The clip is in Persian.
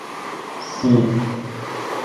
سی